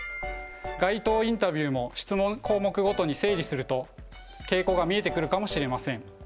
街頭インタビューも質問項目ごとに整理すると傾向が見えてくるかもしれません。